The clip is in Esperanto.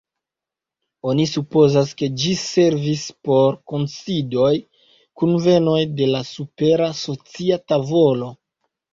Oni supozas, ke ĝi servis por kunsidoj, kunvenoj de la supera socia tavolo.